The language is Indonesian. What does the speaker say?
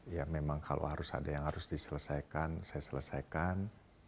ya memang kalau harus ada yang harus diselesaikan saya selesaikan